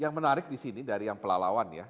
yang menarik di sini dari yang pelalawan ya